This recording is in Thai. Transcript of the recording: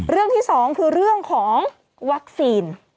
เรื่องที่สองคือเรื่องของวัคซีน